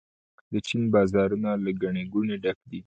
د چین بازارونه له ګڼې ګوڼې ډک دي.